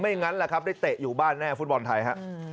ไม่อย่างนั้นล่ะครับได้เตะอยู่บ้านแน่ฟุตบอลไทยครับ